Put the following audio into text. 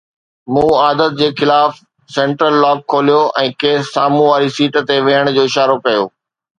مون عادت جي خلاف سينٽرل لاڪ کوليو ۽ کيس سامهون واري سيٽ تي ويهڻ جو اشارو ڪيو